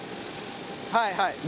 はいはい。